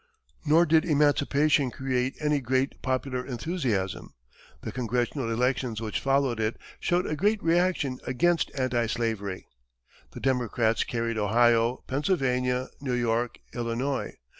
Nor did emancipation create any great popular enthusiasm. The congressional elections which followed it showed a great reaction against anti slavery. The Democrats carried Ohio, Pennsylvania, New York, Illinois.